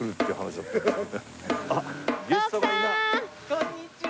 こんにちは！